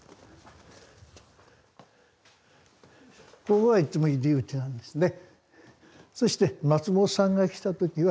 ここがいつも入り口なんですね。